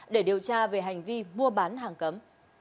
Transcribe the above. để điều tra về hành vi mua bán hàng cấm